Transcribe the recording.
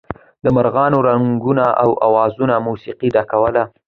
د مارغانو رنګارنګو اوازونو موسيقۍ ډکوله.